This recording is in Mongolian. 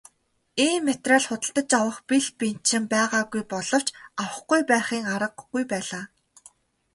Ийм материал худалдаж авах бэл бэнчин байгаагүй боловч авахгүй байхын аргагүй байлаа.